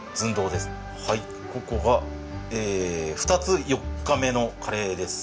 はいここが２つ４日目のカレーです。